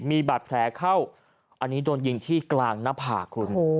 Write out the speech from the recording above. มีบาดแผลเข้าอันนี้โดนยิงที่กลางหน้าผากคุณ